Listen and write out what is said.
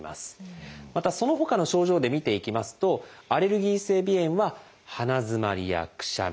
またそのほかの症状で見ていきますとアレルギー性鼻炎は鼻づまりやくしゃみ。